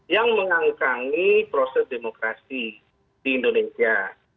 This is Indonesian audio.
yang mengangkangi proses demokrasi di indonesia